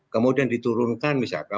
kemudian diturunkan misalkan